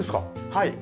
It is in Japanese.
はい。